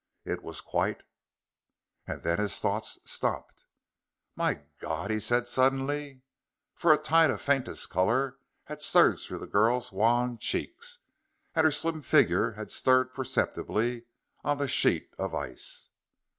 It was quite And then his thoughts stopped. "My God!" he said suddenly. For a tide of faintest color had surged through the girl's wan cheeks. And her slim figure had stirred perceptibly on the sheet of ice!